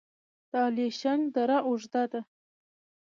د الیشنګ دره اوږده ده